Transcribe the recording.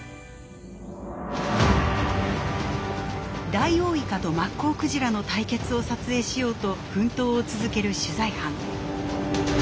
ダイオウイカとマッコウクジラの対決を撮影しようと奮闘を続ける取材班。